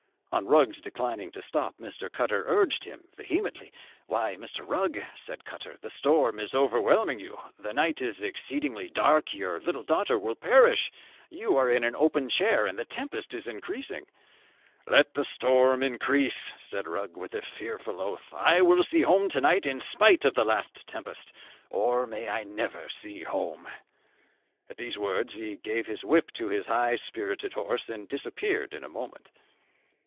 On Rugg's declining to stop, Mr. Cutter urged him vehemently. 'Why, Mr. Rugg,' said Cutter, 'the storm is overwhelming you; the night is exceeding dark; your little daughter will perish; you are in an open chair, and the tempest is increasing.' 'Let the storm increase,' said Rugg, with a fearful oath, 'I will see home to night, in spite of the last tempest! or may I never see home.' At these words he gave his whip to his high spirited horse, and disappeared in a moment.